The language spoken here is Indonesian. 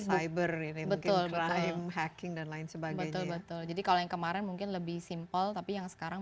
cyber ini betul betul lain sebagainya jadi kalau yang kemarin mungkin lebih simpel tapi yang sekarang